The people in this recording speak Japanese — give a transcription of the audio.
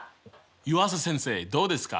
湯浅先生どうですか？